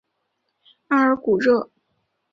阿尔古热。